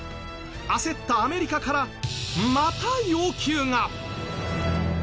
焦ったアメリカからまた要求が！